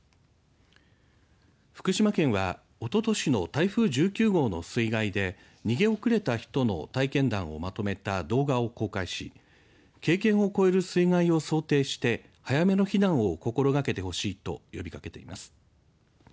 福島県は、おととしの台風１９号の水害で逃げ遅れた人の体験談をまとめた動画を公開し経験を超える水害を想定して早めの避難を心がけてほしいと呼びかけています。